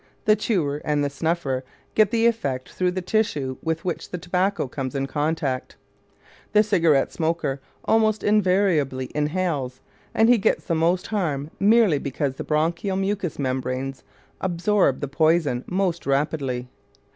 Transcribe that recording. The chewer and the snuffer get the effect through the tissue with which the tobacco comes in contact. The cigarette smoker almost invariably inhales, and he gets the most harm merely because the bronchial mucous membrane absorbs the poison most rapidly.